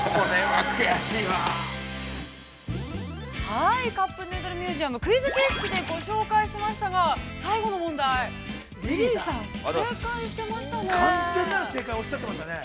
◆はい、カップヌードルミュージアム、クイズ形式でご紹介しましたが、最後の問題、リリーさん正解していましたよね。